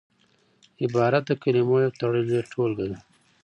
عبارت د کلمو یو تړلې ټولګه ده.